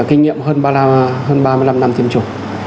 kinh nghiệm hơn ba mươi năm năm tiêm chủng